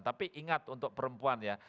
tapi ingat untuk perempuan ya